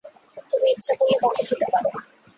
তুমি ইচ্ছা করলে কফি খেতে পার।